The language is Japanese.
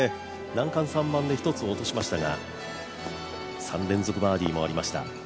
難関３番で１つ落としましたが３連続バーディーもありました。